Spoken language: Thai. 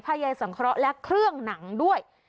ใยสังเคราะห์และเครื่องหนังด้วย